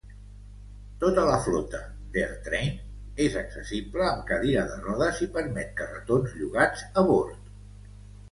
Tota la flota d'AirTrain és accessible amb cadira de rodes i permet carretons llogats a bord.